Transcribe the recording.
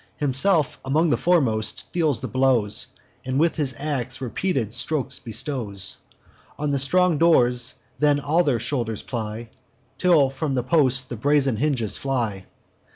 Himself, among the foremost, deals his blows, And with his ax repeated strokes bestows On the strong doors; then all their shoulders ply, Till from the posts the brazen hinges fly.